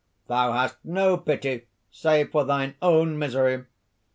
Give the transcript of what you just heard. thou hast no pity save for thine own misery!